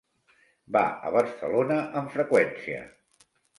Va a Barcelona amb freqüència.